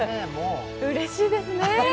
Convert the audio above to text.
うれしいですね。